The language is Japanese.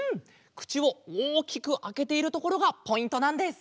くちをおおきくあけているところがポイントなんです！